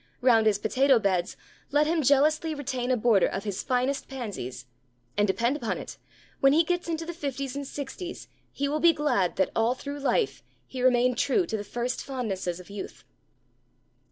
Round his potato beds let him jealously retain a border of his finest pansies; and, depend upon it, when he gets into the fifties and the sixties he will be glad that, all through life, he remained true to the first fondnesses of youth.